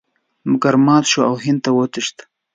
مګر مات شو او هند ته وتښتېد.